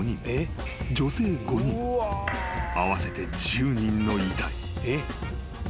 ［合わせて１０人の遺体］